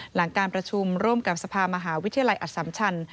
หลังการประชุมร่วมกับสภามหาวิทยาลัยอสัมชัน